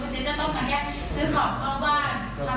จะต้องขยับซื้อของเข้าบ้านทำพุนัมนิผมเห็นให้เห็นมากจริง